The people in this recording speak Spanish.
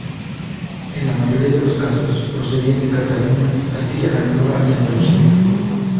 En la mayoría de los casos procedían de Cataluña, Castilla la Nueva y Andalucía.